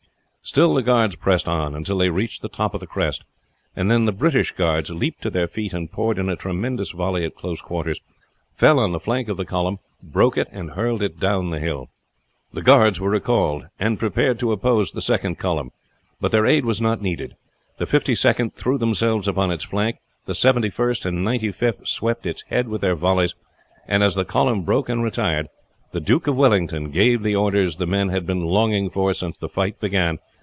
Still the guard pressed on until they reached the top of the crest; and then the British guards leaped to their feet and poured in a tremendous volley at close quarters, fell on the flank of the column, broke it, and hurled it down the hill. The guards were recalled and prepared to oppose the second column, but their aid was not needed; the Fifty second threw themselves upon its flank, the Seventy first and Ninety fifth swept its head with their volleys, and as the column broke and retired the Duke of Wellington gave the orders the men had been longing for since the fight began.